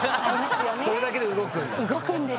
それだけで動くんだ。